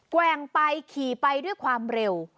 แว่งไปขี่ไปด้วยความเร็ว